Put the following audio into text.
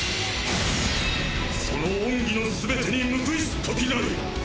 その恩義のすべてに報いし時なり！！